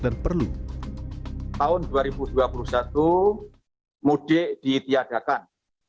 tahun dua ribu dua puluh satu mudik diitiadakan